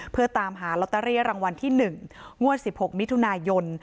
เพื่อตามหาลอตเตอรี่รางวัลที่๑งวด๑๖มิถุนายน